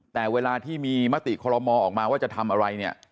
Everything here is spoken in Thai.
แต่เวลาที่มีมติคอลโมออกมาว่าจะทำอะไรเนี่ย